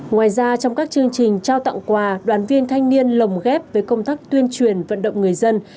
ngoài ra trong các chương trình trao tặng quà đoàn viên thanh niên lồng ghép với công tác tuyên truyền vận động người dân